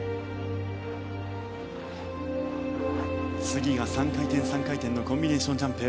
次が３回転３回転のコンビネーションジャンプ。